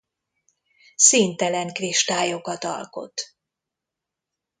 Színtelen kristályokat alkot.